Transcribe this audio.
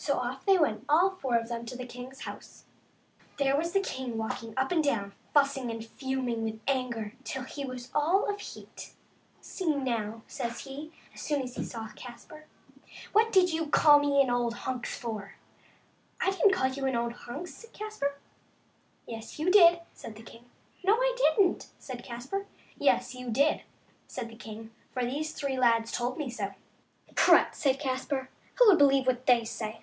So off they went, all four of them, to the king's house. There was the king, walking up and down, and fussing and fuming with anger till he was all of a heat. " See, now," says he, as soon as he saw Caspar, " what did you call me an old hunks for?" '' I didn't call you an old hunks," said Caspar. " Yes, you did," said the king. " No, I didn't," said Caspar. " Yes, you did," said the king, " for these three lads told me so." "Prut!" said Caspar, "who would believe what they say?